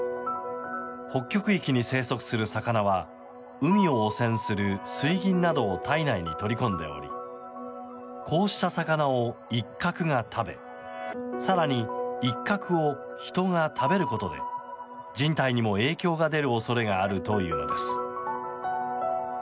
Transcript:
北極域に生息する魚は海を汚染する水銀などを体内に取り込んでおりこうした魚をイッカクが食べ更にイッカクを人が食べることで人体にも影響が出る恐れがあるというのです。